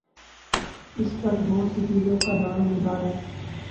اس پر بہت سی چیزوں کا دارومدار ہے۔